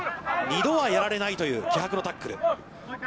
２度はやられないという気迫のタックル。